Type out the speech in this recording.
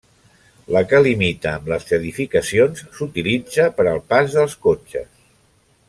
La que limita amb les edificacions s'utilitza per al pas dels cotxes.